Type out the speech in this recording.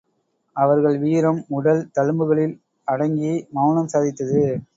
அவர்கள் வீரம் உடல் தழும்புகளில் அடங்கி மவுனம் சாதித்தது.